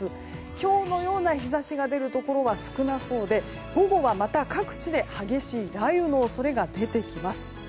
今日のような日差しが出るところは少なそうで午後はまた各地で激しい雷雨の恐れが出てきます。